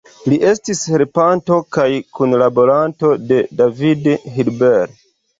Li estis helpanto kaj kunlaboranto de David Hilbert.